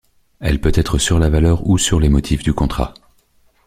Elle peut être sur la valeur ou sur les motifs du contrat.